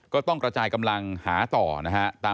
ก็ต้องกระจายกำลังหาต่อนะฮะ